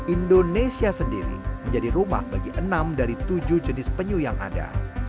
indonesia sendiri menjadi rumah bagi enam dari tujuh jenis penyu yang ada